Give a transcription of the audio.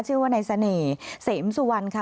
ชื่อว่าในเสน่ห์เสมสุวรรณค่ะ